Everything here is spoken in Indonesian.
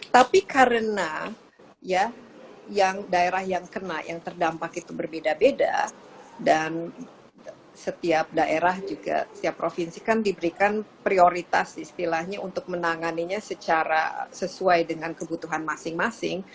tapi karena ya yang daerah yang kena yang terdampak itu berbeda beda dan setiap daerah juga setiap provinsi kan diberikan prioritas istilahnya untuk menanganinya secara sesuai dengan kebutuhan masing masing